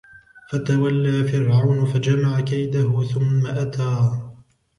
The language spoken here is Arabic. فتولى فرعون فجمع كيده ثم أتى